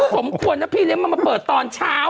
ผมควรนะพี่เลมาเปิดตอนเช้า